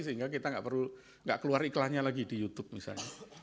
sehingga kita nggak perlu nggak keluar iklannya lagi di youtube misalnya